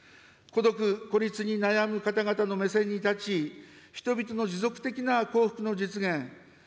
孤独・孤立に悩む方々の目線に立ち、人々の持続的な幸福の実現